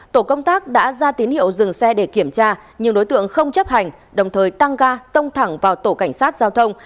tổ công tác đã ra tín hiệu dừng xe để kiểm tra nhưng đối tượng không chấp hành đồng thời tăng ga tông thẳng vào tổ cảnh sát giao thông